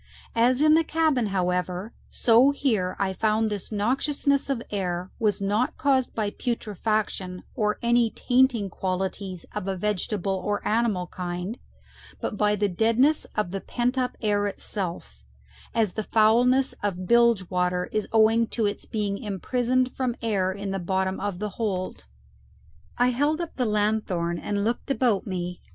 As in the cabin, however, so here I found this noxiousness of air was not caused by putrefaction or any tainting qualities of a vegetable or animal kind, but by the deadness of the pent up air itself, as the foulness of bilge water is owing to its being imprisoned from air in the bottom of the hold. I held up the lanthorn and looked about me.